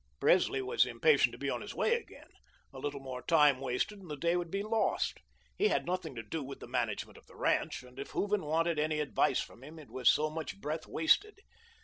Presley was impatient to be on his way again. A little more time wasted, and the day would be lost. He had nothing to do with the management of the ranch, and if Hooven wanted any advice from him, it was so much breath wasted.